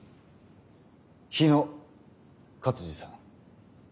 日野勝次さん。